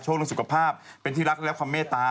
เรื่องสุขภาพเป็นที่รักและความเมตตา